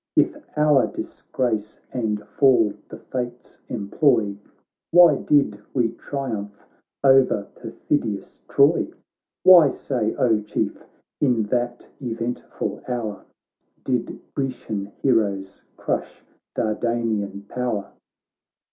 If our disgrace and fall the fates employ, Why did we triumph o'er perfidious Troy? Why, say, O Chief, in that eventful hour Did Grecian heroes crush Dardanian power